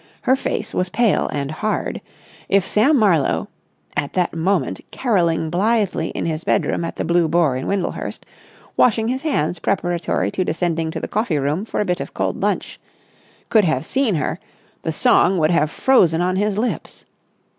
Her face was pale and hard. If Sam Marlowe—at that moment carolling blithely in his bedroom at the Blue Boar in Windlehurst, washing his hands preparatory to descending to the coffee room for a bit of cold lunch—could have seen her, the song would have frozen on his lips.